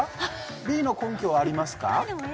Ｂの根拠はありますか？